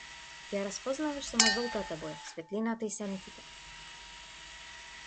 Ќе ја распознаваш само жолтата боја, светлината и сенките.